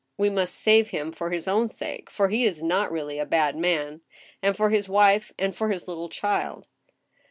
We must save him for his own sake, for he is not really a bad man, and for his wife and for his little child."